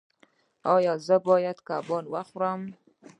ایا زه باید کباب وخورم؟